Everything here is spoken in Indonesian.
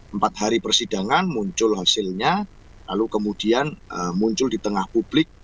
empat hari persidangan muncul hasilnya lalu kemudian muncul di tengah publik